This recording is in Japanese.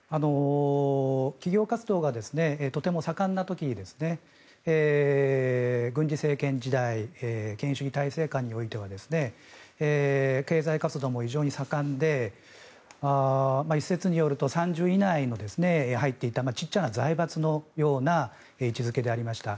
企業活動がとても盛んな時に軍事政権時代権威主義体制下においては経済活動も非常に盛んで一説によると３０以内に入っていた小さな財閥のような位置付けでありました。